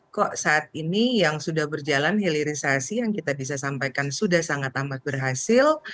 kok saat ini yang sudah berjalan hilirisasi yang kita bisa sampaikan sudah sangat amat berhasil